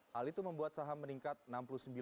hal itu membuat saham meningkat rp enam puluh